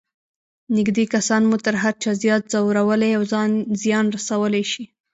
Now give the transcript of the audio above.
نږدې کسان مو تر هر چا زیات ځورولای او زیان رسولای شي.